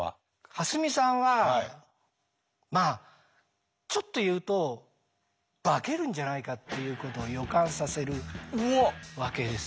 蓮見さんはまあちょっと言うと化けるんじゃないかっていうことを予感させるわけですよ。